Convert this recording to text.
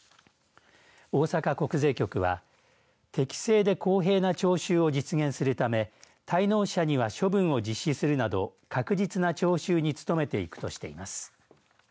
大阪国税局は適正で公平な徴収を実現するため滞納者には処分を実施するなど確実な徴収に努めていくとしています。